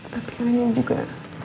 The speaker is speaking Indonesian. tapi saya ingin juga